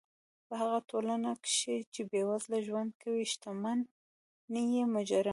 په هغه ټولنه کښي، چي بېوزله ژوند کوي، ښتمن ئې مجرمان يي.